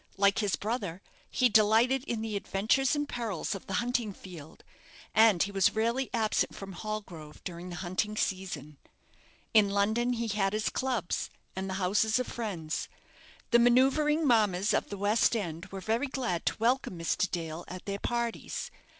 Like his brother, he delighted in the adventures and perils of the hunting field, and he was rarely absent from Hallgrove during the hunting season. In London he had his clubs, and the houses of friends. The manoeuvring mammas of the West End were very glad to welcome Mr. Dale at their parties.